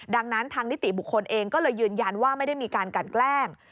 ดังนั้นทางนิติบุคคลเองก็เลยยืนยันว่าไม่ได้มีการกันแกล้ง